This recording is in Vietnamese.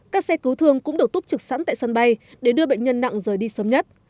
các xe cứu thương cũng được túc trực sẵn tại sân bay để đưa bệnh nhân nặng rời đi sớm nhất